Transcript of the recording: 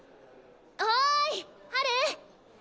おいハル！